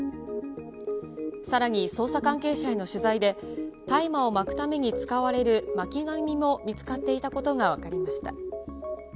さらに、捜査関係者への取材で大麻を巻くために使われる巻き紙も見つかっていたことが分かりました。